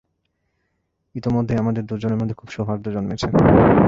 ইতোমধ্যেই আমাদের দুজনের মধ্যে খুব সৌহার্দ্য জন্মেছে।